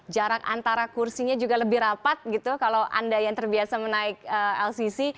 jarak antara kursinya juga lebih rapat gitu kalau anda yang terbiasa menaik lcc